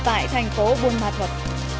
tại thành phố buôn ma thuật